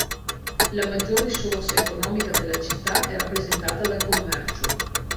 La maggior risorsa economica della città è rappresentata dal commercio.